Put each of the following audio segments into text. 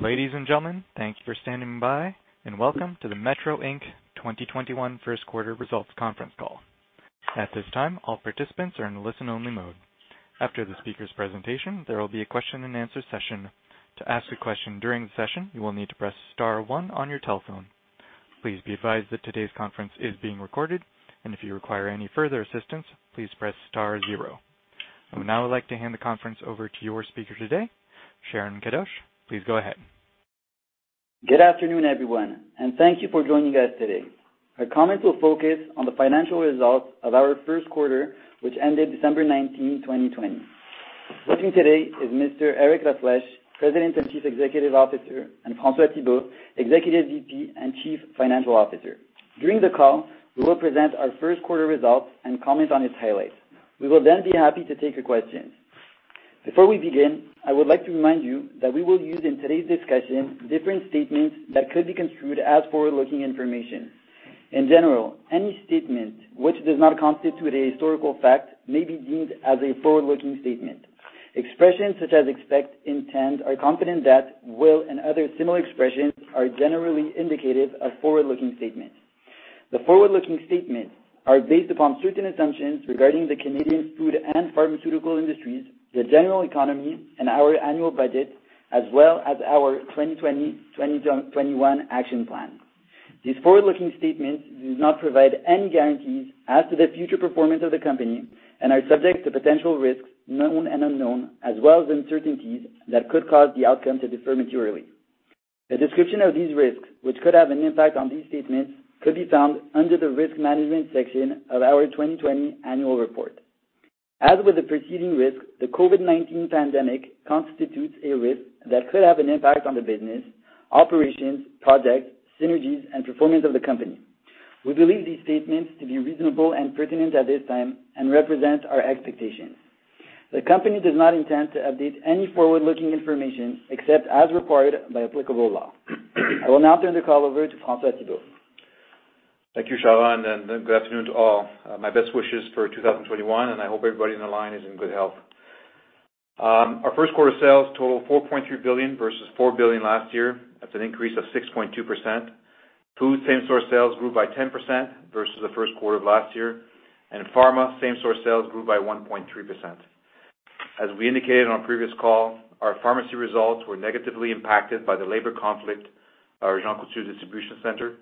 Ladies and gentlemen, thank you for standing by, and welcome to the Metro Inc 2021 first quarter results conference call. At this time, all participants are in listen only mode. After the speaker's presentation, there will be a question and answer session. I would now like to hand the conference over to your speaker today, Sharon Kadoche. Please go ahead. Good afternoon, everyone, and thank you for joining us today. Our comments will focus on the financial results of our first quarter, which ended December 19, 2020. Joining today is Mr. Eric La Flèche, President and Chief Executive Officer, and François Thibault, Executive VP and Chief Financial Officer. During the call, we will present our first quarter results and comment on its highlights. We will then be happy to take your questions. Before we begin, I would like to remind you that we will use in today's discussion different statements that could be construed as forward-looking information. In general, any statement which does not constitute a historical fact may be deemed as a forward-looking statement. Expressions such as expect, intend, are confident that, will, and other similar expressions are generally indicative of forward-looking statements. The forward-looking statements are based upon certain assumptions regarding the Canadian food and pharmaceutical industries, the general economy, and our annual budget, as well as our 2020-2021 action plan. These forward-looking statements do not provide any guarantees as to the future performance of the company and are subject to potential risks, known and unknown, as well as uncertainties that could cause the outcome to differ materially. A description of these risks, which could have an impact on these statements, could be found under the risk management section of our 2020 annual report. As with the preceding risk, the COVID-19 pandemic constitutes a risk that could have an impact on the business, operations, projects, synergies, and performance of the company. We believe these statements to be reasonable and pertinent at this time and represent our expectations. The company does not intend to update any forward-looking information except as required by applicable law. I will now turn the call over to François Thibault. Thank you, Sharon. Good afternoon to all. My best wishes for 2021. I hope everybody on the line is in good health. Our first quarter sales total 4.3 billion versus 4 billion last year. That's an increase of 6.2%. Food same-store sales grew by 10% versus the first quarter of last year. Pharma same-store sales grew by 1.3%. As we indicated on a previous call, our pharmacy results were negatively impacted by the labor conflict at our Jean Coutu distribution center,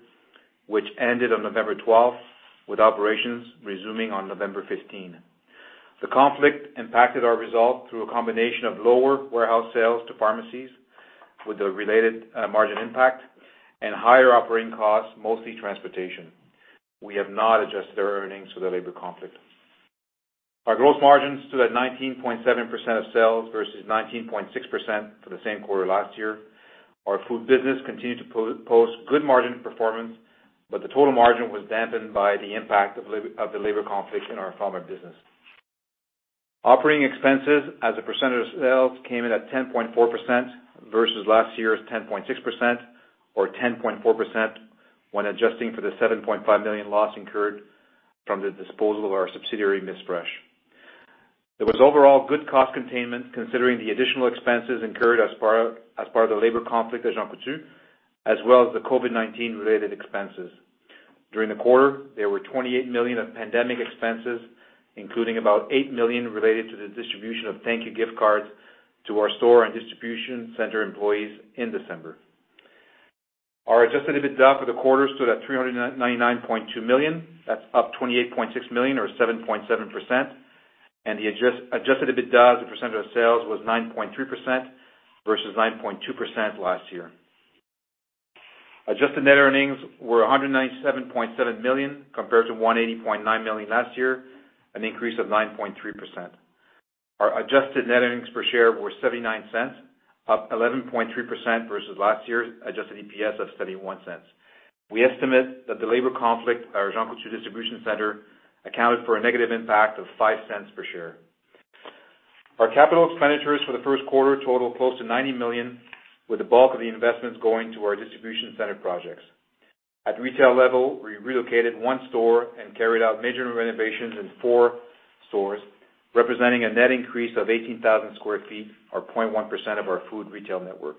which ended on November 12th, with operations resuming on November 15. The conflict impacted our results through a combination of lower warehouse sales to pharmacies with a related margin impact and higher operating costs, mostly transportation. We have not adjusted our earnings for the labor conflict. Our gross margins stood at 19.7% of sales versus 19.6% for the same quarter last year. Our food business continued to post good margin performance, but the total margin was dampened by the impact of the labor conflict in our pharma business. Operating expenses as a percentage of sales came in at 10.4% versus last year's 10.6%, or 10.4% when adjusting for the 7.5 million loss incurred from the disposal of our subsidiary, MissFresh. There was overall good cost containment considering the additional expenses incurred as part of the labor conflict at Jean Coutu, as well as the COVID-19 related expenses. During the quarter, there were 28 million of pandemic expenses, including about 8 million related to the distribution of thank you gift cards to our store and distribution center employees in December. Our adjusted EBITDA for the quarter stood at 399.2 million. That's up 28.6 million or 7.7%, and the adjusted EBITDA as a percentage of sales was 9.3% versus 9.2% last year. Adjusted net earnings were 197.7 million compared to 180.9 million last year, an increase of 9.3%. Our adjusted net earnings per share were 0.79, up 11.3% versus last year's adjusted EPS of 0.71. We estimate that the labor conflict at our Jean Coutu distribution center accounted for a negative impact of 0.05 per share. Our capital expenditures for the first quarter totaled close to 90 million, with the bulk of the investments going to our distribution center projects. At retail level, we relocated one store and carried out major renovations in four stores, representing a net increase of 18,000 sq ft, or 0.1% of our food retail network.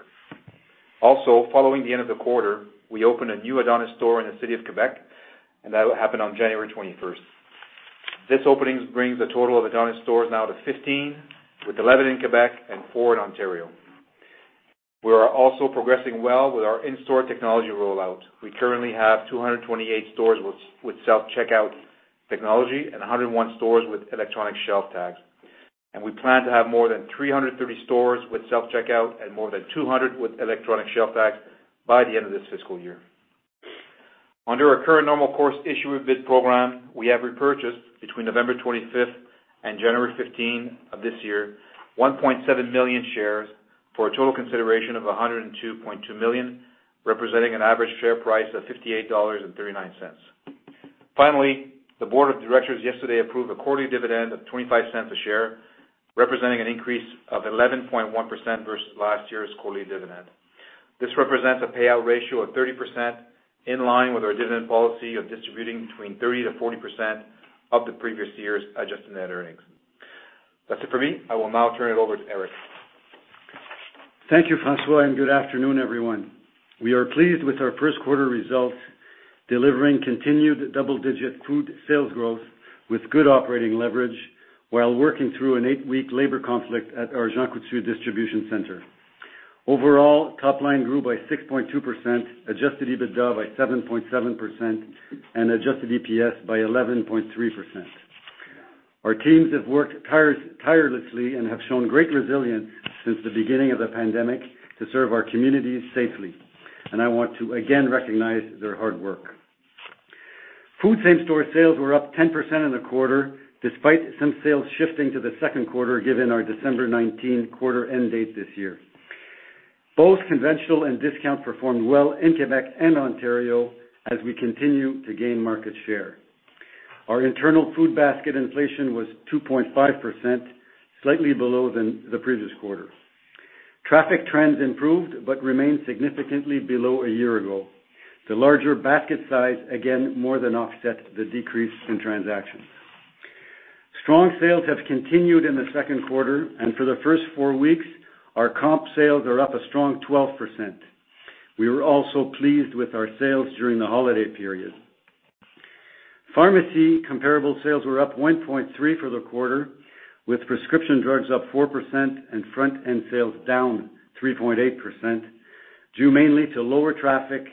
Following the end of the quarter, we opened a new Adonis store in the city of Quebec, and that happened on January 21st. This opening brings the total of Adonis stores now to 15, with 11 in Quebec and four in Ontario. We are also progressing well with our in-store technology rollout. We currently have 228 stores with self-checkout technology and 101 stores with electronic shelf tags, and we plan to have more than 330 stores with self-checkout and more than 200 with electronic shelf tags by the end of this fiscal year. Under our current normal course issuer bid program, we have repurchased, between November 25th and January 15 of this year, 1.7 million shares for a total consideration of 102.2 million, representing an average share price of 58.39 dollars. Finally, the board of directors yesterday approved a quarterly dividend of 0.25 a share, representing an increase of 11.1% versus last year's quarterly dividend. This represents a payout ratio of 30%, in line with our dividend policy of distributing between 30%-40% of the previous year's adjusted net earnings That's it for me. I will now turn it over to Eric. Thank you, François, and good afternoon, everyone. We are pleased with our first quarter results, delivering continued double-digit food sales growth with good operating leverage while working through an eight-week labor conflict at our Jean Coutu distribution center. Overall, top line grew by 6.2%, adjusted EBITDA by 7.7%, and adjusted EPS by 11.3%. Our teams have worked tirelessly and have shown great resilience since the beginning of the pandemic to serve our communities safely, and I want to again recognize their hard work. Food same-store sales were up 10% in the quarter, despite some sales shifting to the second quarter, given our December 19 quarter-end date this year. Both conventional and discount performed well in Quebec and Ontario as we continue to gain market share. Our internal food basket inflation was 2.5%, slightly below the previous quarter. Traffic trends improved but remained significantly below a year ago. The larger basket size, again, more than offset the decrease in transactions. Strong sales have continued in the second quarter, and for the first four weeks, our comp sales are up a strong 12%. We were also pleased with our sales during the holiday period. Pharmacy comparable sales were up 1.3% for the quarter, with prescription drugs up 4% and front-end sales down 3.8%, due mainly to lower traffic,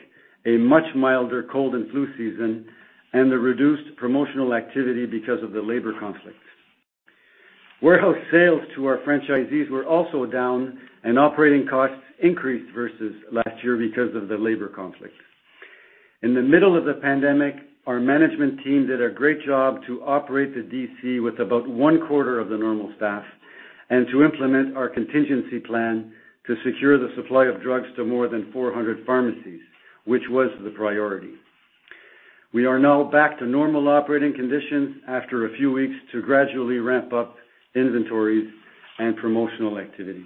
a much milder cold and flu season, and the reduced promotional activity because of the labor conflict. Warehouse sales to our franchisees were also down, and operating costs increased versus last year because of the labor conflict. In the middle of the pandemic, our management team did a great job to operate the DC with about one-quarter of the normal staff and to implement our contingency plan to secure the supply of drugs to more than 400 pharmacies, which was the priority. We are now back to normal operating conditions after a few weeks to gradually ramp up inventories and promotional activity.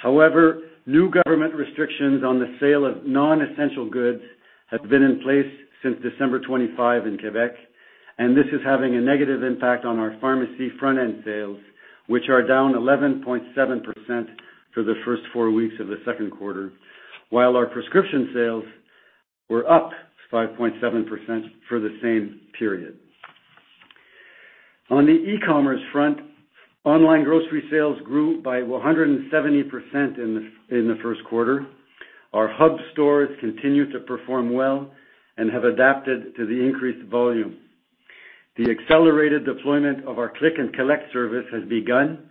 However, new government restrictions on the sale of non-essential goods have been in place since December 25 in Quebec, and this is having a negative impact on our pharmacy front-end sales, which are down 11.7% for the first four weeks of the second quarter, while our prescription sales were up 5.7% for the same period. On the e-commerce front, online grocery sales grew by 170% in the first quarter. Our hub stores continue to perform well and have adapted to the increased volume. The accelerated deployment of our click-and-collect service has begun,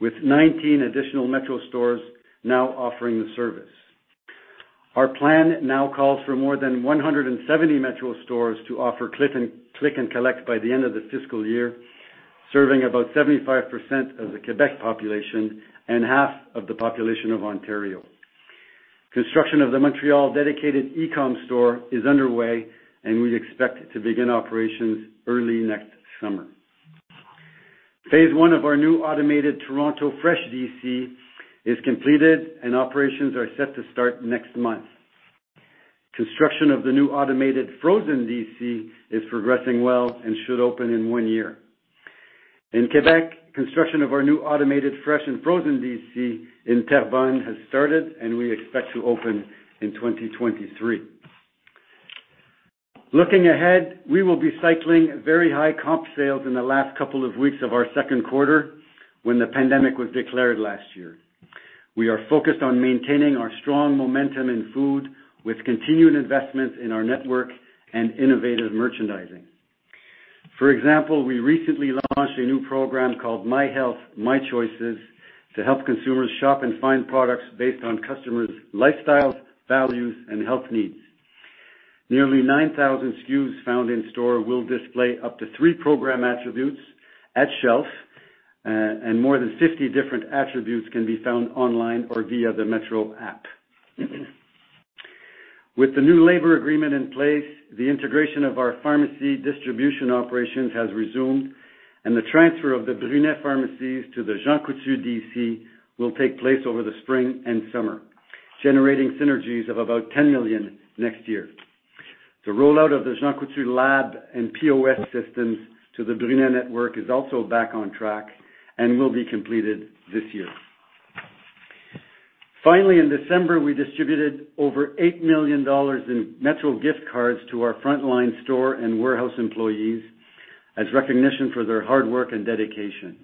with 19 additional Metro stores now offering the service. Our plan now calls for more than 170 Metro stores to offer click-and-collect by the end of the fiscal year, serving about 75% of the Quebec population and half of the population of Ontario. Construction of the Montreal dedicated e-com store is underway, and we expect to begin operations early next summer. Phase one of our new automated Toronto Fresh DC is completed, and operations are set to start next month. Construction of the new automated frozen DC is progressing well and should open in one year. In Quebec, construction of our new automated fresh and frozen DC in Terrebonne has started, and we expect to open in 2023. Looking ahead, we will be cycling very high comp sales in the last couple of weeks of our second quarter, when the pandemic was declared last year. We are focused on maintaining our strong momentum in food, with continued investments in our network and innovative merchandising. For example, we recently launched a new program called My Health My Choices to help consumers shop and find products based on customers' lifestyles, values, and health needs. Nearly 9,000 SKUs found in-store will display up to three program attributes at shelf, and more than 50 different attributes can be found online or via the Metro app. With the new labor agreement in place, the integration of our pharmacy distribution operations has resumed, and the transfer of the Brunet pharmacies to the Jean-Coutu DC will take place over the spring and summer, generating synergies of about 10 million next year. The rollout of the Jean Coutu lab and POS systems to the Brunet network is also back on track and will be completed this year. Finally, in December, we distributed over 8 million dollars in Metro gift cards to our frontline store and warehouse employees as recognition for their hard work and dedication.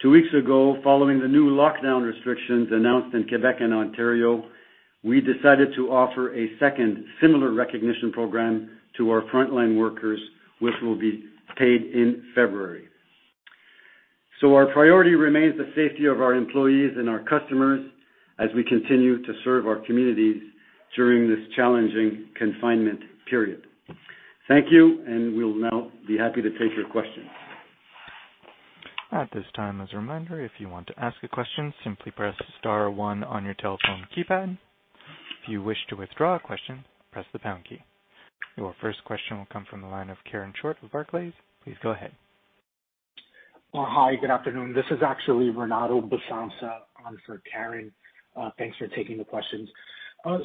Two weeks ago, following the new lockdown restrictions announced in Quebec and Ontario, we decided to offer a second similar recognition program to our frontline workers, which will be paid in February. Our priority remains the safety of our employees and our customers as we continue to serve our communities during this challenging confinement period. Thank you, and we'll now be happy to take your questions. At this time, as a reminder, if you want to ask a question, simply press star one on your telephone keypad. If you wish to withdraw a question, press the pound key. Your first question will come from the line of Karen Short with Barclays. Please go ahead. Hi. Good afternoon. This is actually Renato Bassanza on for Karen. Thanks for taking the questions. My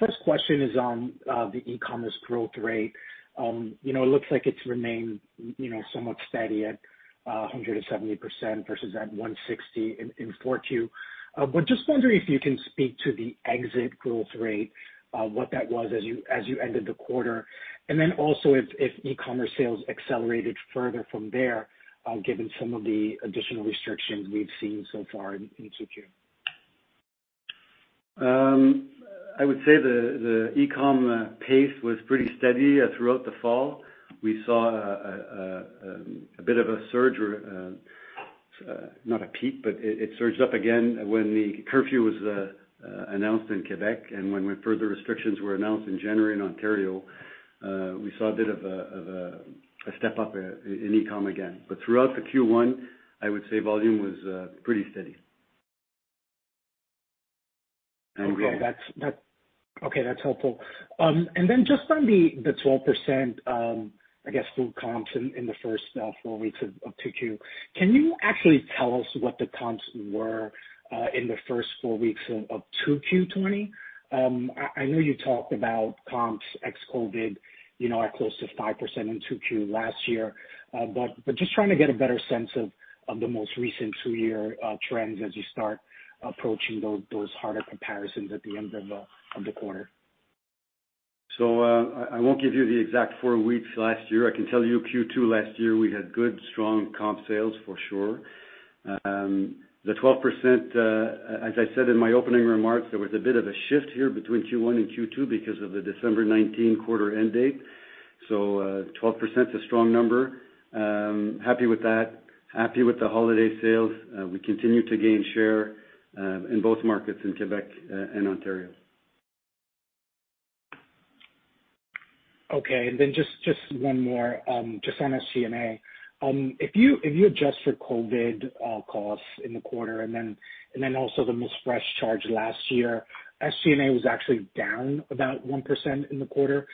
first question is on the e-commerce growth rate. It looks like it's remained somewhat steady at 170% versus at 160% in 4Q. Just wondering if you can speak to the exit growth rate, what that was as you ended the quarter, and then also if e-commerce sales accelerated further from there, given some of the additional restrictions we've seen so far in 2Q. I would say the e-com pace was pretty steady throughout the fall. We saw a bit of a surge, not a peak, but it surged up again when the curfew was announced in Quebec and when further restrictions were announced in January in Ontario. We saw a bit of a step up in e-com again. But throughout the Q1, I would say volume was pretty steady. Okay. That's helpful. Just on the 12%, I guess, food comps in the first four weeks of 2Q, can you actually tell us what the comps were in the first four weeks of 2Q 2020? I know you talked about comps ex-COVID at close to 5% in 2Q last year. Just trying to get a better sense of the most recent two-year trends as you start approaching those harder comparisons at the end of the quarter. I won't give you the exact four weeks last year. I can tell you Q2 last year, we had good, strong comp sales for sure. The 12%, as I said in my opening remarks, there was a bit of a shift here between Q1 and Q2 because of the December 19 quarter-end date. 12% is a strong number. Happy with that, happy with the holiday sales. We continue to gain share in both markets in Quebec and Ontario. Okay, just one more, just on SG&A. If you adjust for COVID costs in the quarter and then also the MissFresh charge last year, SG&A was actually down about 1% in the quarter.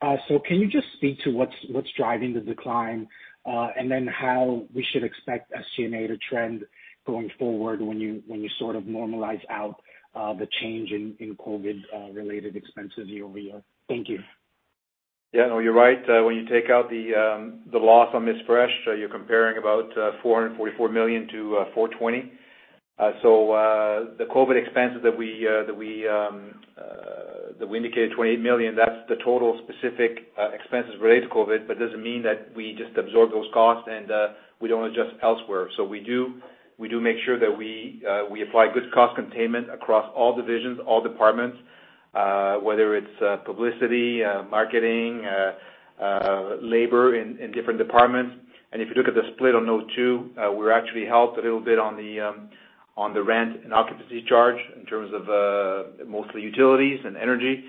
Can you just speak to what's driving the decline and then how we should expect SG&A to trend going forward when you sort of normalize out the change in COVID-related expenses year-over-year? Thank you. Yeah, no, you're right. When you take out the loss on MissFresh, you're comparing about 444 million-420 million. The COVID expenses that we indicated, 28 million, that's the total specific expenses related to COVID, but it doesn't mean that we just absorb those costs and we don't adjust elsewhere. We do make sure that we apply good cost containment across all divisions, all departments whether it's publicity, marketing, labor in different departments. If you look at the split on those two, we're actually helped a little bit on the rent and occupancy charge in terms of mostly utilities and energy.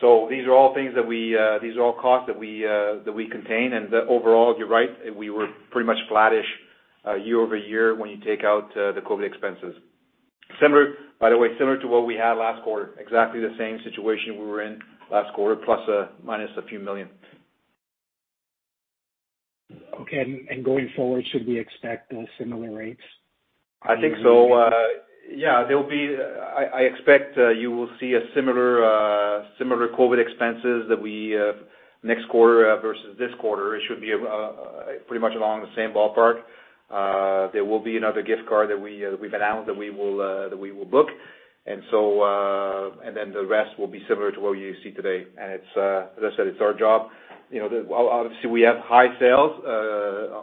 These are all costs that we contain and overall, you're right, we were pretty much flattish year-over-year when you take out the COVID expenses. By the way, similar to what we had last quarter, exactly the same situation we were in last quarter, ± CAD a few million. Okay, going forward, should we expect similar rates? I think so. Yeah, I expect you will see similar COVID expenses next quarter versus this quarter. It should be pretty much along the same ballpark. There will be another gift card that we've announced that we will book. The rest will be similar to what you see today. As I said, it's our job. Obviously, we have high sales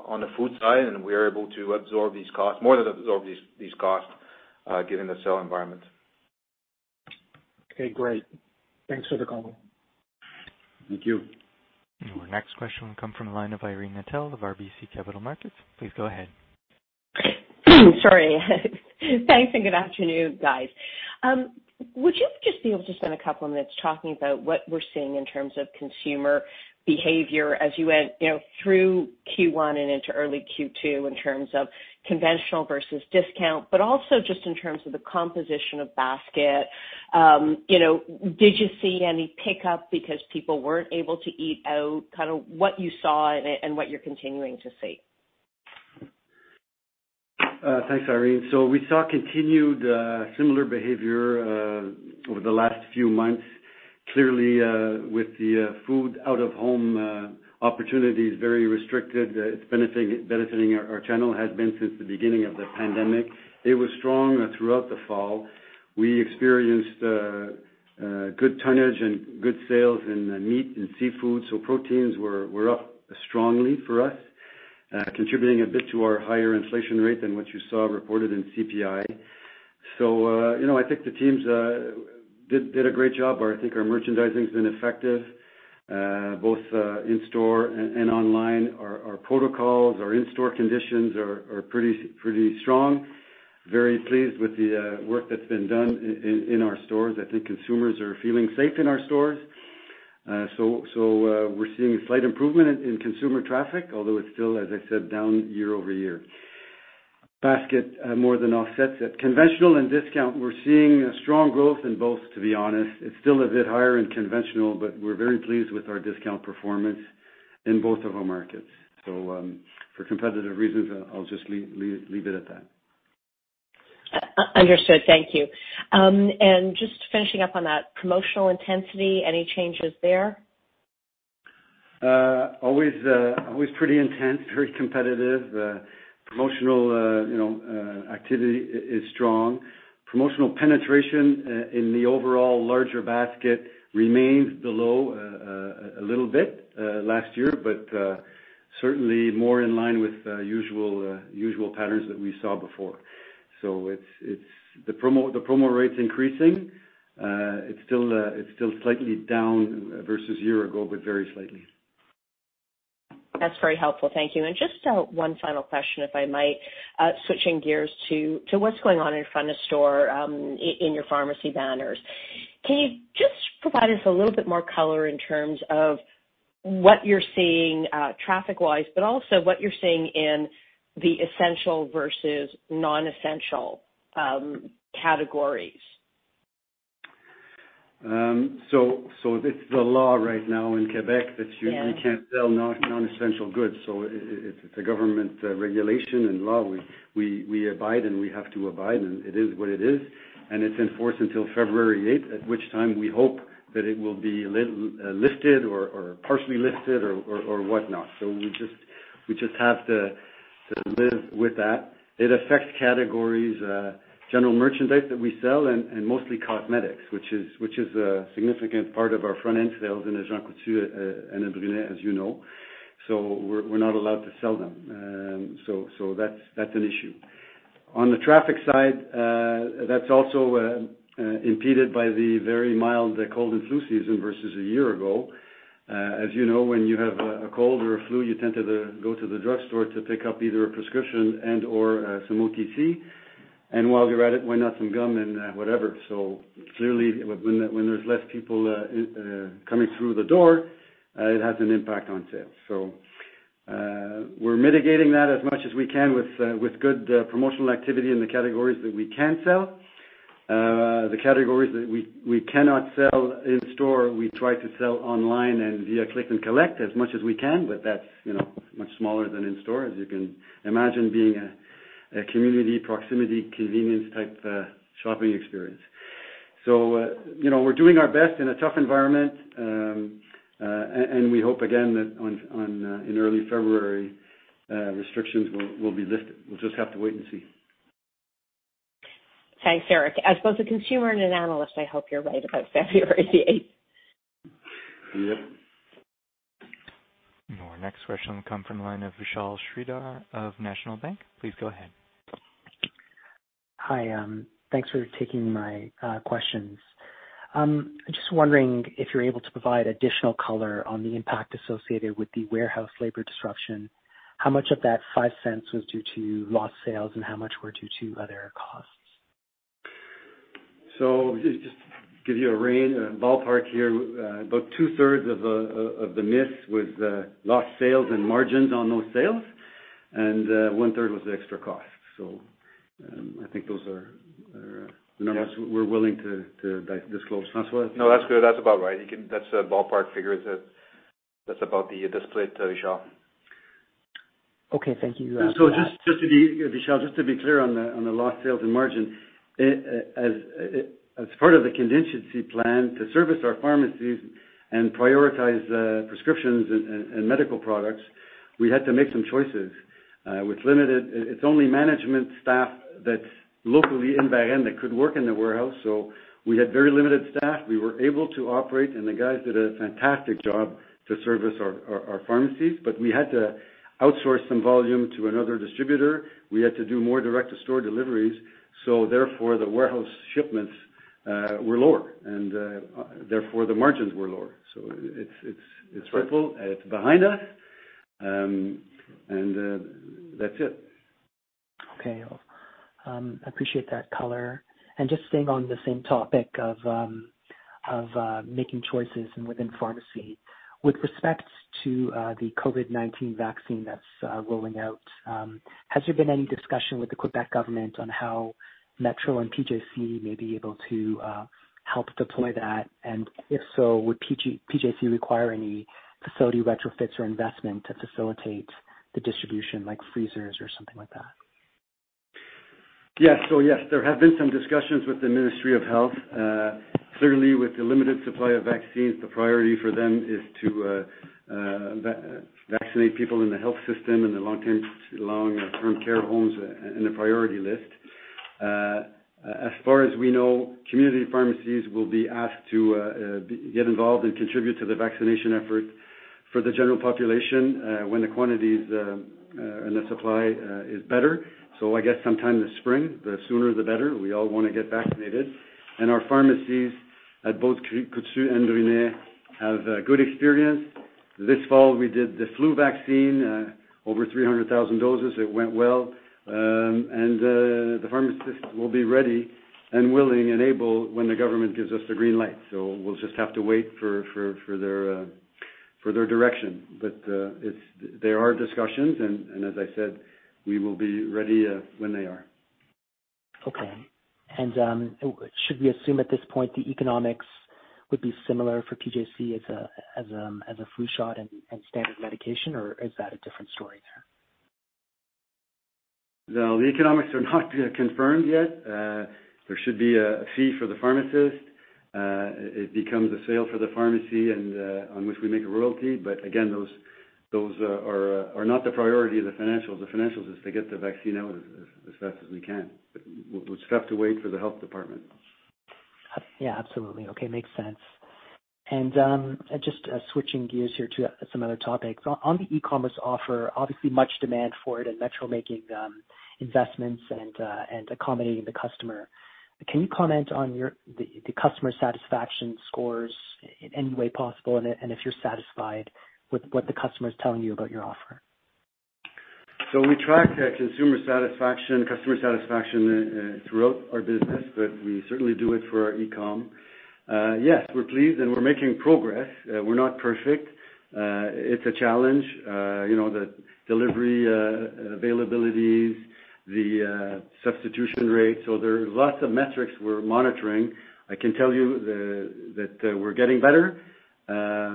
on the food side, and we're able to absorb these costs, more than absorb these costs, given the sell environment. Okay, great. Thanks for the call. Thank you. Our next question will come from the line of Irene Nattel of RBC Capital Markets. Please go ahead. Sorry. Thanks, and good afternoon, guys. Would you just be able to spend a couple of minutes talking about what we're seeing in terms of consumer behavior as you went through Q1 and into early Q2 in terms of conventional versus discount, but also just in terms of the composition of basket. Did you see any pickup because people weren't able to eat out, kind of what you saw and what you're continuing to see? Thanks, Irene. We saw continued similar behavior over the last few months. Clearly, with the food out-of-home opportunities very restricted, it's benefiting our channel, has been since the beginning of the pandemic. It was strong throughout the fall. We experienced good tonnage and good sales in meat and seafood, so proteins were up strongly for us contributing a bit to our higher inflation rate than what you saw reported in CPI. I think the teams did a great job. I think our merchandising's been effective both in store and online. Our protocols, our in-store conditions are pretty strong. Very pleased with the work that's been done in our stores. I think consumers are feeling safe in our stores. We're seeing a slight improvement in consumer traffic, although it's still, as I said, down year-over-year. Basket more than offsets it. Conventional and discount, we're seeing strong growth in both, to be honest. It's still a bit higher in conventional, but we're very pleased with our discount performance in both of our markets. For competitive reasons, I'll just leave it at that. Understood. Thank you. Just finishing up on that, promotional intensity, any changes there? Always pretty intense, very competitive. Promotional activity is strong. Promotional penetration in the overall larger basket remains below a little bit last year, but certainly more in line with usual patterns that we saw before. The promo rate's increasing. It's still slightly down versus a year ago, but very slightly. That's very helpful. Thank you. Just one final question, if I might. Switching gears to what's going on in front of store in your pharmacy banners. Can you just provide us a little bit more color in terms of what you're seeing traffic-wise, but also what you're seeing in the essential versus non-essential categories? It's the law right now in Quebec that. Can't sell non-essential goods. It's a government regulation and law we abide, and we have to abide, and it is what it is, and it's in force until February 8th, at which time we hope that it will be lifted or partially lifted or whatnot. We just have to live with that. It affects categories, general merchandise that we sell and mostly cosmetics, which is a significant part of our front-end sales in a Jean Coutu and a Brunet, as you know. We're not allowed to sell them. That's an issue. On the traffic side, that's also impeded by the very mild cold and flu season versus a year ago. As you know, when you have a cold or a flu, you tend to go to the drugstore to pick up either a prescription and/or some OTC. While you're at it, why not some gum and whatever. Clearly, when there's less people coming through the door, it has an impact on sales. We're mitigating that as much as we can with good promotional activity in the categories that we can sell. The categories that we cannot sell in store, we try to sell online and via click-and-collect as much as we can, but that's much smaller than in store, as you can imagine being a community proximity, convenience type shopping experience. We're doing our best in a tough environment. We hope again that in early February, restrictions will be lifted. We'll just have to wait and see. Thanks, Eric. As both a consumer and an analyst, I hope you're right about February the 18th. Yep. Our next question will come from the line of Vishal Shreedhar of National Bank. Please go ahead. Hi, thanks for taking my questions. I am just wondering if you are able to provide additional color on the impact associated with the warehouse labor disruption. How much of that 0.05 was due to lost sales, and how much were due to other costs? Just to give you a ballpark here. About two-thirds of the miss was lost sales and margins on those sales, and one-third was the extra cost. We're willing to disclose. François? No, that's good. That's about right. That's a ballpark figure that's about the details to Vishal. Okay, thank you. Vishal, just to be clear on the lost sales and margin. As part of the contingency plan to service our pharmacies and prioritize prescriptions and medical products, we had to make some choices, which limited It's only management staff that's locally in Varennes that could work in the warehouse. We had very limited staff. We were able to operate, and the guys did a fantastic job to service our pharmacies, but we had to outsource some volume to another distributor. We had to do more direct-to-store deliveries, so therefore the warehouse shipments were lower, and therefore the margins were lower. It's hurtful. It's behind us. That's it. Okay. I appreciate that color. Just staying on the same topic of making choices and within pharmacy. With respect to the COVID-19 vaccine that's rolling out, has there been any discussion with the Quebec government on how Metro and PJC may be able to help deploy that? If so, would PJC require any facility retrofits or investment to facilitate the distribution, like freezers or something like that? Yeah. Yes, there have been some discussions with the Ministry of Health. Certainly with the limited supply of vaccines, the priority for them is to vaccinate people in the health system, in the long-term care homes in the priority list. As far as we know, community pharmacies will be asked to get involved and contribute to the vaccination effort for the general population, when the quantities and the supply is better. I guess sometime this spring, the sooner the better. We all wanna get vaccinated. Our pharmacies at both Coutu and Brunet have good experience. This fall, we did the flu vaccine, over 300,000 doses. It went well. The pharmacists will be ready and willing and able when the government gives us the green light. We'll just have to wait for their direction. There are discussions, and as I said, we will be ready when they are. Okay. Should we assume at this point the economics would be similar for PJC as a flu shot and standard medication, or is that a different story there? The economics are not confirmed yet. There should be a fee for the pharmacist. It becomes a sale for the pharmacy and on which we make a royalty, but again, those are not the priority of the financials. The financials is to get the vaccine out as fast as we can, which we have to wait for the health department. Yeah, absolutely. Okay. Makes sense. Just switching gears here to some other topics. On the e-commerce offer, obviously much demand for it and Metro making investments and accommodating the customer. Can you comment on the customer satisfaction scores in any way possible, and if you're satisfied with what the customer's telling you about your offer? We track customer satisfaction throughout our business, but we certainly do it for our e-com. Yes, we're pleased, and we're making progress. We're not perfect. It's a challenge, the delivery availabilities, the substitution rates. There are lots of metrics we're monitoring. I can tell you that we're getting better.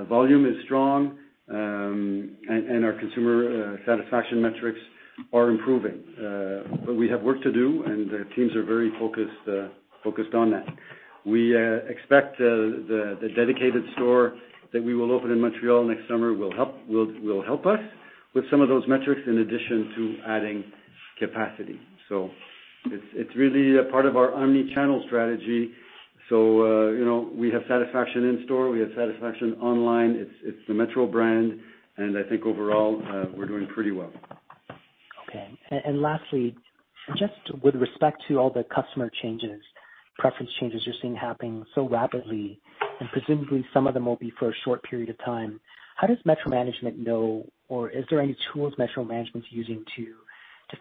Volume is strong, and our consumer satisfaction metrics are improving. We have work to do, and teams are very focused on that. We expect the dedicated store that we will open in Montreal next summer will help us with some of those metrics in addition to adding capacity. It's really a part of our omni-channel strategy. We have satisfaction in store, we have satisfaction online. It's the Metro brand, and I think overall, we're doing pretty well. Okay. Lastly, just with respect to all the customer changes, preference changes you're seeing happening so rapidly, and presumably some of them will be for a short period of time, how does Metro management know, or is there any tools Metro management's using to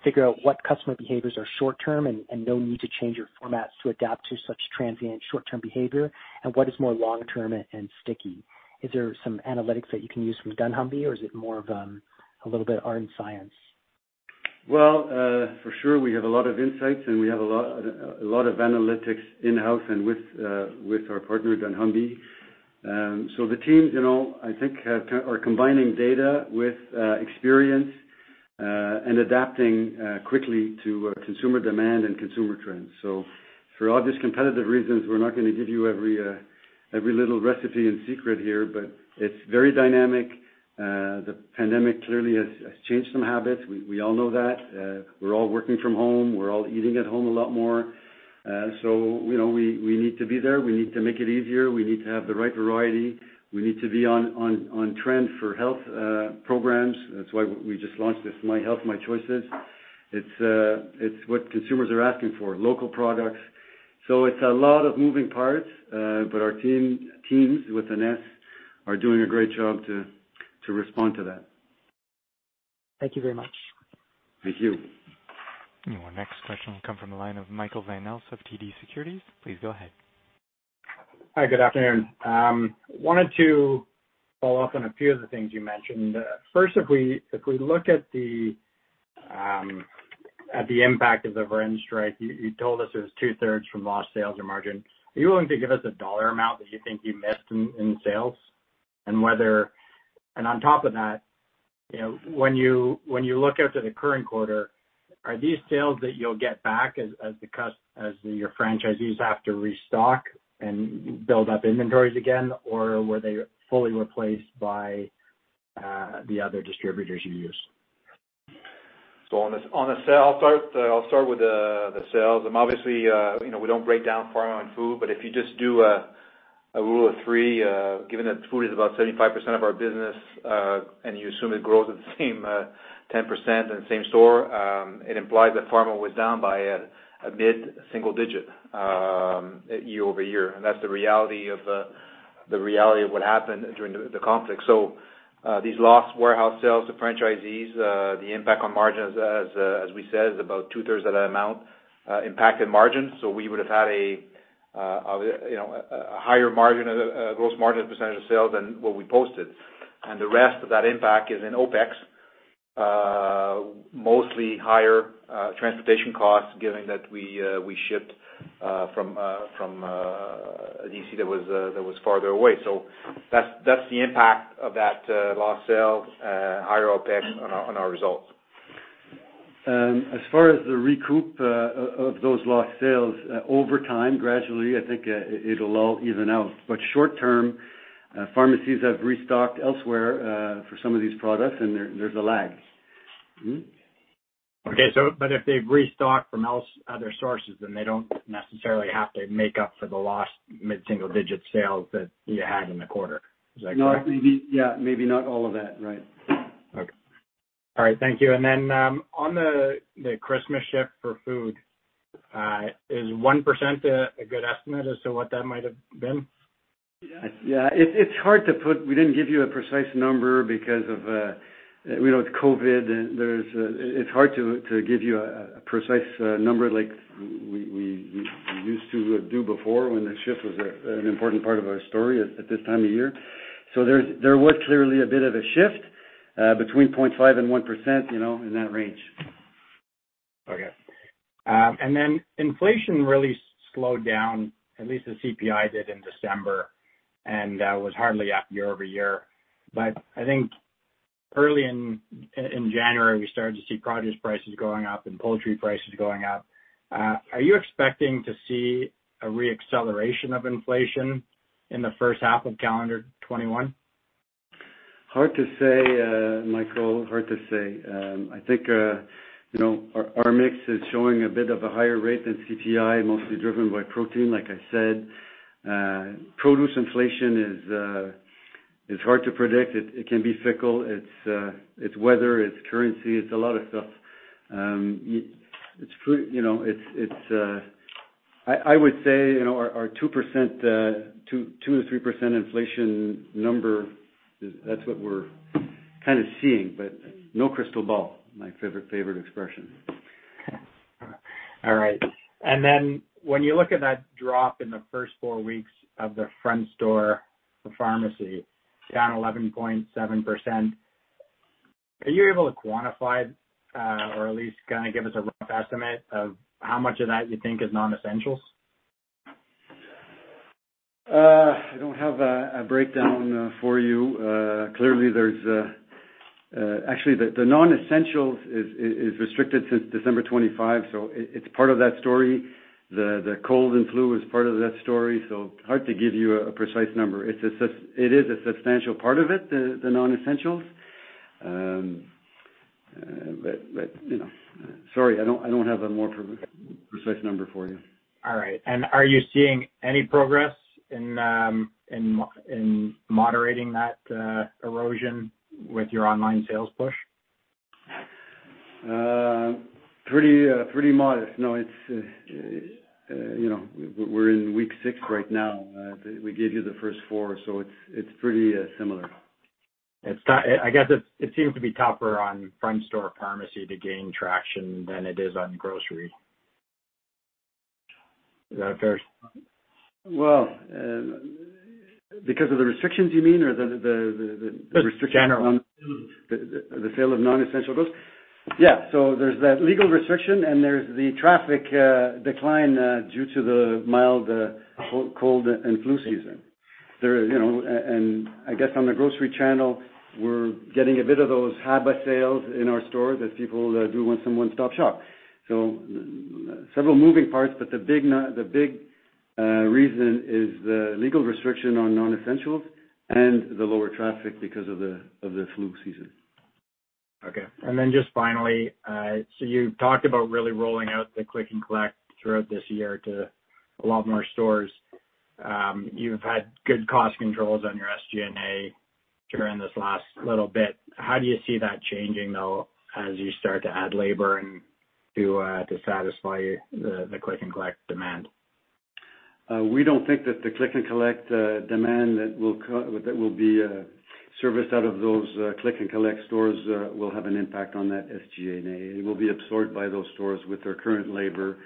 figure out what customer behaviors are short-term and no need to change your formats to adapt to such transient short-term behavior, and what is more long-term and sticky? Is there some analytics that you can use from dunnhumby, or is it more of a little bit art and science? Well, for sure we have a lot of insights. We have a lot of analytics in-house and with our partner, dunnhumby. The teams I think are combining data with experience. Adapting quickly to consumer demand and consumer trends. For obvious competitive reasons, we're not going to give you every little recipe and secret here. It's very dynamic. The pandemic clearly has changed some habits. We all know that. We're all working from home. We're all eating at home a lot more. We need to be there. We need to make it easier. We need to have the right variety. We need to be on trend for health programs. That's why we just launched this My Health My Choices. It's what consumers are asking for, local products. It's a lot of moving parts. Our teams, with an S, are doing a great job to respond to that. Thank you very much. Thank you. Our next question will come from the line of Michael Van Aelst of TD Securities. Please go ahead. Hi, good afternoon. Wanted to follow up on a few of the things you mentioned. First, if we look at the impact of the Varennes strike, you told us it was two-thirds from lost sales or margin. Are you willing to give us a dollar amount that you think you missed in sales? On top of that, when you look out to the current quarter, are these sales that you'll get back as your franchisees have to restock and build up inventories again, or were they fully replaced by the other distributors you use? On a sale, I'll start with the sales. Obviously we don't break down pharma and food, but if you just do a rule of three, given that food is about 75% of our business, and you assume it grows at the same 10% in the same store, it implies that pharma was down by a mid-single digit year-over-year. That's the reality of what happened during the conflict. These lost warehouse sales to franchisees, the impact on margins as we said, is about two-thirds of that amount impact in margins. We would've had a higher gross margin percentage of sales than what we posted. The rest of that impact is in OpEx, mostly higher transportation costs given that we shipped from a DC that was farther away. That's the impact of that lost sales, higher OpEx on our results. As far as the recoup of those lost sales, over time, gradually, I think it'll all even out. Short-term, pharmacies have restocked elsewhere for some of these products and there's a lag. Okay. If they've restocked from other sources, then they don't necessarily have to make up for the lost mid-single digit sales that you had in the quarter. Is that correct? No. Maybe, yeah. Maybe not all of that. Right. Okay. All right. Thank you. On the Christmas shift for food, is 1% a good estimate as to what that might have been? Yeah. We didn't give you a precise number because of COVID-19, it's hard to give you a precise number like we used to do before when the shift was an important part of our story at this time of year. There was clearly a bit of a shift between 0.5%-1%, in that range. Okay. Inflation really slowed down, at least the CPI did in December, and was hardly up year-over-year. I think early in January, we started to see produce prices going up and poultry prices going up. Are you expecting to see a re-acceleration of inflation in the first half of calendar 2021? Hard to say, Michael. Hard to say. I think our mix is showing a bit of a higher rate than CPI, mostly driven by protein, like I said. Produce inflation is hard to predict. It can be fickle. It's weather, it's currency, it's a lot of stuff. I would say our 2%-3% inflation number, that's what we're kind of seeing, but no crystal ball. My favorite expression. All right. Then when you look at that drop in the first four weeks of the front store pharmacy, down 11.7%, are you able to quantify or at least kind of give us a rough estimate of how much of that you think is non-essentials? I don't have a breakdown for you. Actually, the non-essentials is restricted since December 25, so it's part of that story. The cold and flu is part of that story. Hard to give you a precise number. It is a substantial part of it, the non-essentials. Sorry, I don't have a more precise number for you. All right. Are you seeing any progress in moderating that erosion with your online sales push? Pretty modest. No. We're in week six right now. We gave you the first four, so it's pretty similar. I guess it seems to be tougher on front store pharmacy to gain traction than it is on grocery. Is that a fair? Well, because of the restrictions, you mean, or? Just in general. Restriction on the sale of non-essential goods. Yeah. There's that legal restriction, and there's the traffic decline due to the mild cold and flu season. I guess on the grocery channel, we're getting a bit of those hub sales in our stores as people do want some one-stop shop. Several moving parts, but the big reason is the legal restriction on non-essentials and the lower traffic because of the flu season. Okay. Just finally, so you've talked about really rolling out the click-and-collect throughout this year to a lot more stores. You've had good cost controls on your SG&A during this last little bit. How do you see that changing, though, as you start to add labor and to satisfy the click-and-collect demand? We don't think that the click-and-collect demand that will be serviced out of those click-and-collect stores will have an impact on that SG&A. It will be absorbed by those stores with their current labor.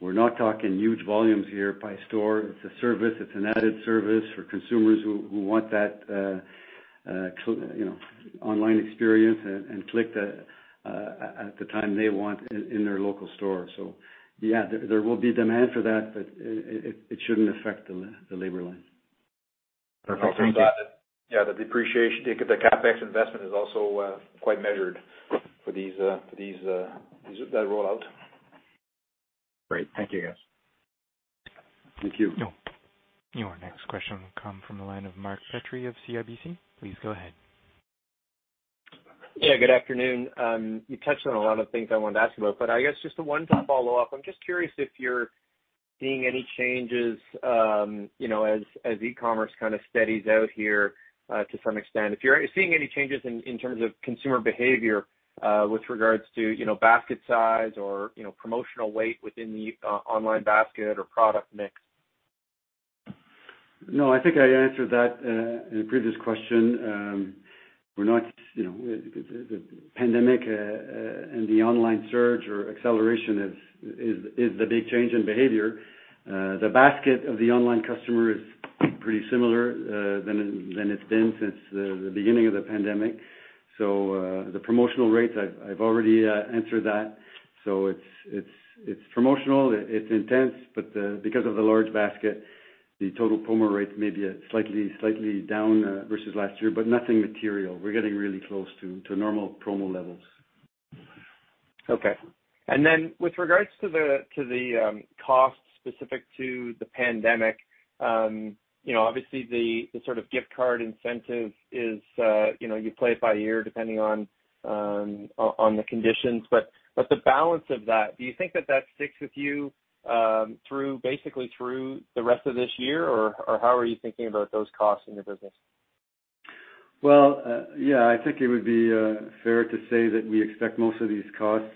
We're not talking huge volumes here by store. It's a service, it's an added service for consumers who want that online experience and click at the time they want in their local store. Yeah, there will be demand for that, but it shouldn't affect the labor line. Perfect. Thank you. Yeah, the CapEx investment is also quite measured for that rollout. Great. Thank you, guys. Thank you. Your next question will come from the line of Mark Petrie of CIBC. Please go ahead. Yeah, good afternoon. You touched on a lot of things I wanted to ask about, but I guess just the one follow-up. I'm just curious if you're seeing any changes as e-commerce kind of steadies out here to some extent. If you're seeing any changes in terms of consumer behavior with regards to basket size or promotional weight within the online basket or product mix. No, I think I answered that in a previous question. The pandemic and the online surge or acceleration is the big change in behavior. The basket of the online customer is pretty similar than it's been since the beginning of the pandemic. The promotional rates, I've already answered that. It's promotional, it's intense, but because of the large basket, the total promo rate may be slightly down versus last year, but nothing material. We're getting really close to normal promo levels. Okay. Then with regards to the costs specific to the pandemic, obviously the sort of gift card incentive is you play it by ear depending on the conditions. The balance of that, do you think that that sticks with you basically through the rest of this year, or how are you thinking about those costs in the business? Well, yeah, I think it would be fair to say that we expect most of these costs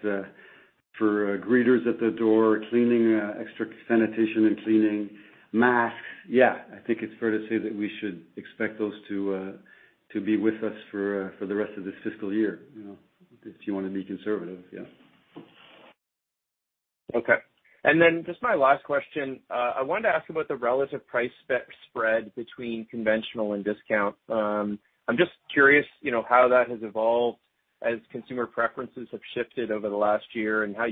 for greeters at the door, cleaning, extra sanitation and cleaning, masks. Yeah, I think it's fair to say that we should expect those to be with us for the rest of this fiscal year, if you want to be conservative, yeah. Okay. Then just my last question, I wanted to ask about the relative price spec spread between conventional and discount. I'm just curious how that has evolved as consumer preferences have shifted over the last year, and how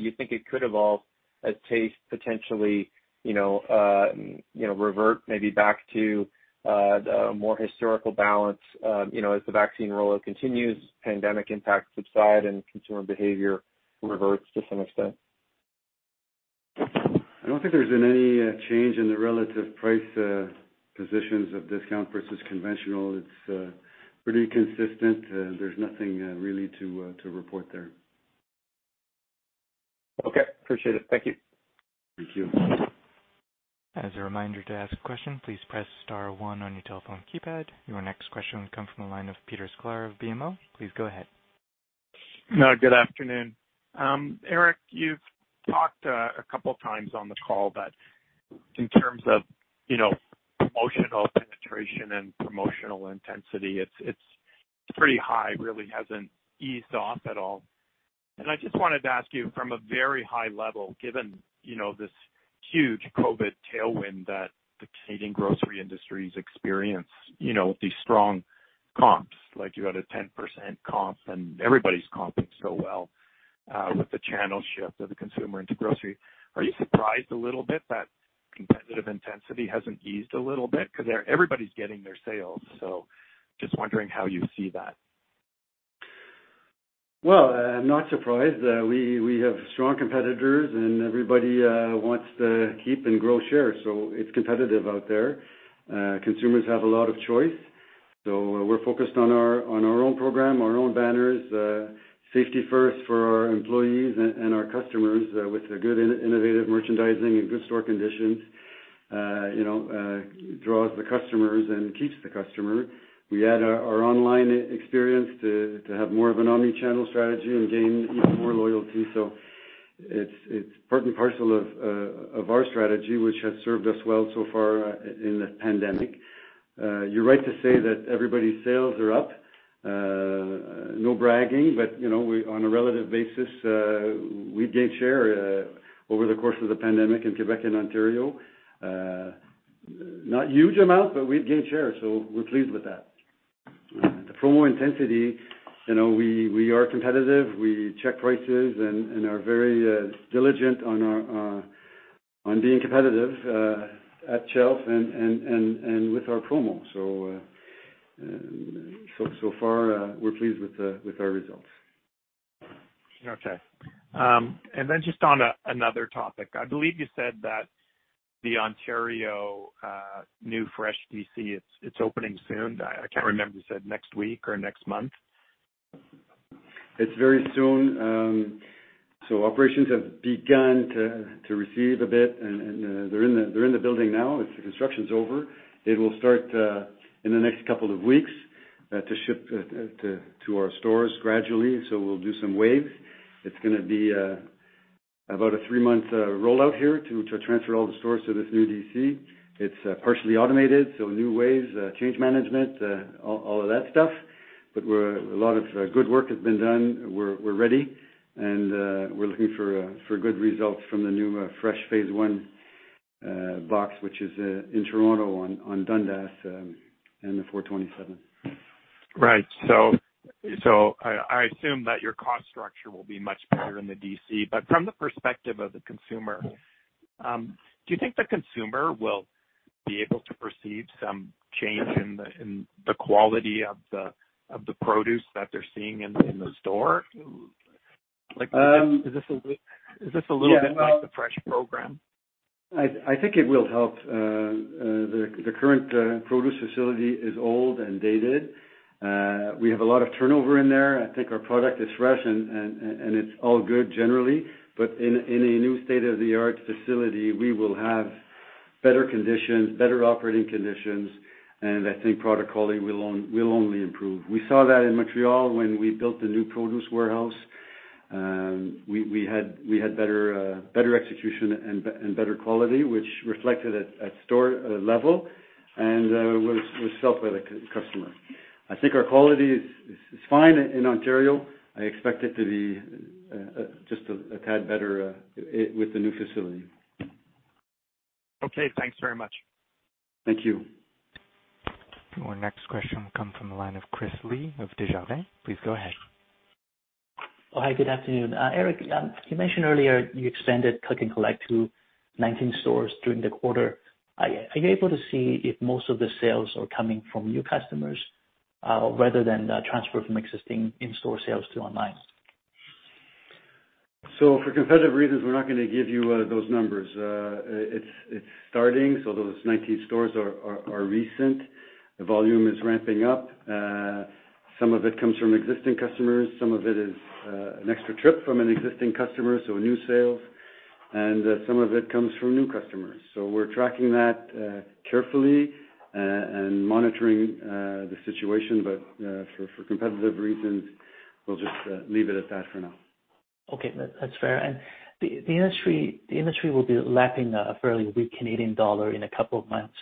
you think it could evolve as taste potentially revert maybe back to the more historical balance as the vaccine rollout continues, pandemic impacts subside, and consumer behavior reverts to some extent. I don't think there's been any change in the relative price positions of discount versus conventional. It's pretty consistent. There's nothing really to report there. Okay. Appreciate it. Thank you. Thank you. As a reminder to ask a question, please press star one on your telephone keypad. Your next question will come from the line of Peter Sklar of BMO. Please go ahead. Good afternoon. Eric, you've talked a couple times on the call that in terms of promotional penetration and promotional intensity, it's pretty high. Really hasn't eased off at all. I just wanted to ask you from a very high level, given this huge COVID-19 tailwind that the Canadian grocery industry experience, these strong comps, like you had a 10% comp and everybody's comping so well with the channel shift of the consumer into grocery, are you surprised a little bit that competitive intensity hasn't eased a little bit because everybody's getting their sales? Just wondering how you see that. Well, I'm not surprised. We have strong competitors, and everybody wants to keep and grow share, so it's competitive out there. Consumers have a lot of choice. We're focused on our own program, our own banners, safety first for our employees and our customers with a good innovative merchandising and good store conditions draws the customers and keeps the customer. We add our online experience to have more of an omni-channel strategy and gain even more loyalty. It's part and parcel of our strategy, which has served us well so far in the pandemic. You're right to say that everybody's sales are up. No bragging, but on a relative basis, we've gained share over the course of the pandemic in Quebec and Ontario. Not huge amounts, but we've gained share, so we're pleased with that. The promo intensity, we are competitive. We check prices and are very diligent on being competitive at shelf and with our promo. So far, we're pleased with our results. Okay. Just on another topic, I believe you said that the Ontario new fresh DC, it's opening soon. I can't remember if you said next week or next month. It's very soon. Operations have begun to receive a bit, and they're in the building now. The construction's over. It will start in the next couple of weeks to ship to our stores gradually, so we'll do some waves. It's going to be about a three month rollout here to transfer all the stores to this new DC. It's partially automated, so new waves, change management, all of that stuff. A lot of good work has been done. We're ready, and we're looking for good results from the new fresh phase I, box which is in Toronto on Dundas and the 427. Right. I assume that your cost structure will be much better in the DC. From the perspective of the consumer, do you think the consumer will be able to perceive some change in the quality of the produce that they are seeing in the store? Is this a little bit like the fresh program? I think it will help. The current produce facility is old and dated. We have a lot of turnover in there. I think our product is fresh and it's all good generally, but in a new state-of-the-art facility, we will have better operating conditions, and I think product quality will only improve. We saw that in Montreal when we built the new produce warehouse. We had better execution and better quality, which reflected at store level and was felt by the customer. I think our quality is fine in Ontario. I expect it to be just a tad better with the new facility. Okay, thanks very much. Thank you. Your next question will come from the line of Chris Li of Desjardins. Please go ahead. Oh, hi. Good afternoon. Eric, you mentioned earlier you expanded click-and-collect to 19 stores during the quarter. Are you able to see if most of the sales are coming from new customers rather than transfer from existing in-store sales to online? For competitive reasons, we're not going to give you those numbers. It's starting, so those 19 stores are recent. The volume is ramping up. Some of it comes from existing customers, some of it is an extra trip from an existing customer, so a new sale, and some of it comes from new customers. We're tracking that carefully and monitoring the situation. For competitive reasons, we'll just leave it at that for now. Okay. That's fair. The industry will be lapping a fairly weak Canadian dollar in a couple of months.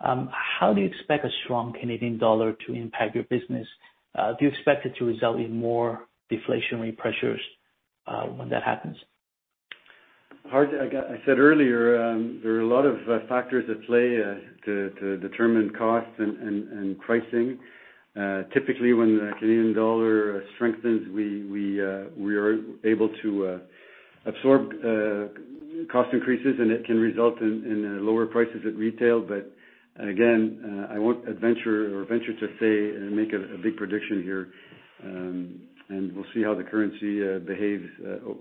How do you expect a strong Canadian dollar to impact your business? Do you expect it to result in more deflationary pressures when that happens? Harjit, I said earlier, there are a lot of factors at play to determine cost and pricing. Typically, when the Canadian dollar strengthens, we are able to absorb cost increases, and it can result in lower prices at retail. Again, I won't venture to say and make a big prediction here, and we'll see how the currency behaves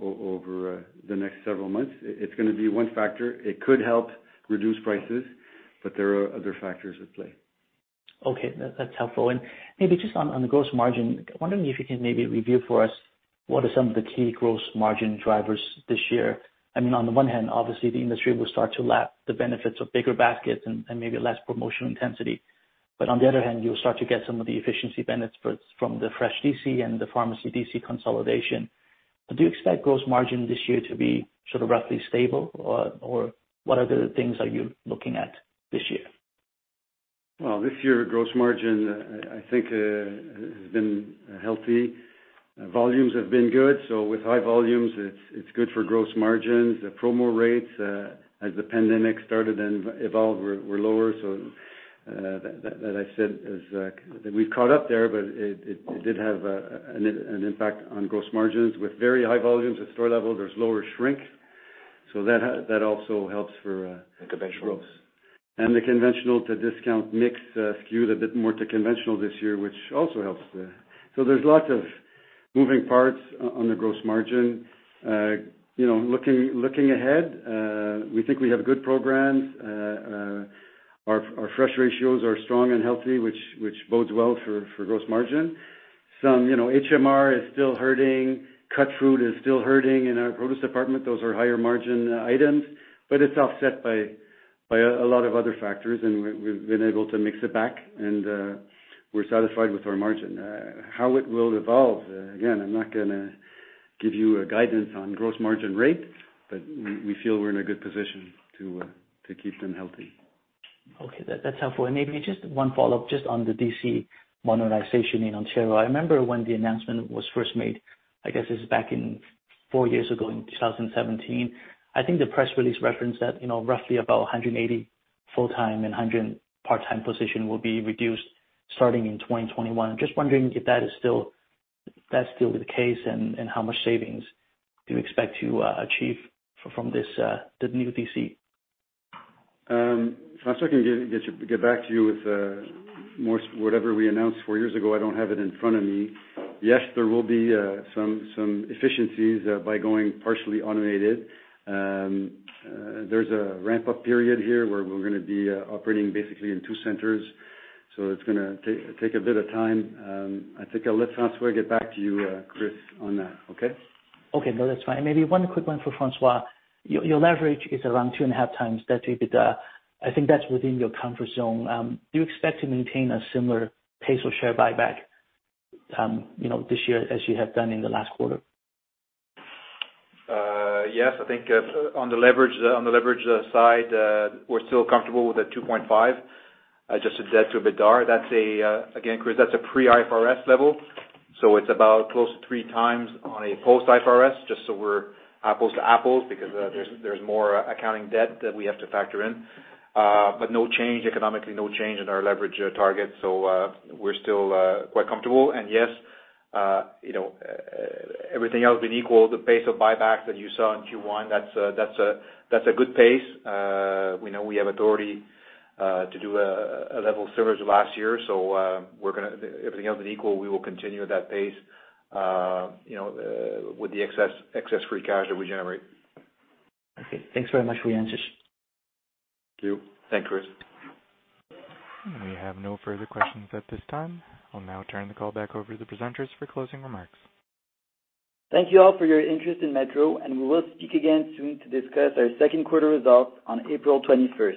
over the next several months. It's going to be one factor. It could help reduce prices, but there are other factors at play. Okay. That's helpful. Maybe just on the gross margin, wondering if you can maybe review for us what are some of the key gross margin drivers this year. On the one hand, obviously the industry will start to lap the benefits of bigger baskets and maybe less promotional intensity. On the other hand, you'll start to get some of the efficiency benefits from the fresh DC and the pharmacy DC consolidation. Do you expect gross margin this year to be sort of roughly stable? Or what other things are you looking at this year? Well, this year, gross margin I think has been healthy. Volumes have been good. With high volumes, it's good for gross margins. The promo rates, as the pandemic started and evolved, were lower. That I said is that we've caught up there. It did have an impact on gross margins. With very high volumes at store level, there's lower shrink. Conventional gross. The conventional to discount mix skewed a bit more to conventional this year, which also helps there. There's lots of moving parts on the gross margin. Looking ahead, we think we have good programs. Our fresh ratios are strong and healthy, which bodes well for gross margin. Some HMR is still hurting, cut fruit is still hurting in our produce department. Those are higher-margin items. It's offset by a lot of other factors, and we've been able to mix it back, and we're satisfied with our margin. How it will evolve, again, I'm not going to give you a guidance on gross margin rate, but we feel we're in a good position to keep them healthy. Okay. That's helpful. Maybe just one follow-up just on the DC modernization in Ontario. I remember when the announcement was first made, I guess this is back four years ago in 2017. I think the press release referenced that roughly about 180 full-time and 100 part-time position will be reduced starting in 2021. I'm just wondering if that's still the case, and how much savings do you expect to achieve from the new DC? François can get back to you with whatever we announced four years ago. I don't have it in front of me. Yes, there will be some efficiencies by going partially automated. There's a ramp-up period here where we're going to be operating basically in two centers, so it's going to take a bit of time. I think I'll let François get back to you, Chris, on that, okay? Okay. No, that's fine. Maybe one quick one for François. Your leverage is around 2.5 times debt to EBITDA. I think that's within your comfort zone. Do you expect to maintain a similar pace of share buyback this year as you have done in the last quarter? Yes. I think on the leverage side, we're still comfortable with the 2.5 adjusted debt to EBITDA. Chris, that's a pre-IFRS level. It's about close to three times on a post-IFRS, just so we're apples to apples because there's more accounting debt that we have to factor in. No change economically, no change in our leverage target. We're still quite comfortable. Yes, everything else being equal, the pace of buybacks that you saw in Q1, that's a good pace. We know we have authority to do a level similar to last year. Everything else is equal, we will continue at that pace with the excess free cash that we generate. Okay. Thanks very much for your answers. Thank you. Thanks, Chris. We have no further questions at this time. I'll now turn the call back over to the presenters for closing remarks. Thank you all for your interest in Metro. We will speak again soon to discuss our second quarter results on April 21st.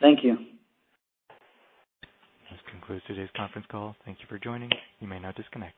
Thank you. This concludes today's conference call. Thank you for joining. You may now disconnect.